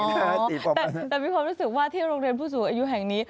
แต่มีความรู้สึกว่าที่โรงเรียนผู้สูงอายุแห่งนี้